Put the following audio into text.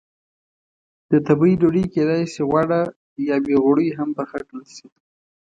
د تبۍ ډوډۍ کېدای شي غوړه یا بې غوړیو هم پخه کړل شي.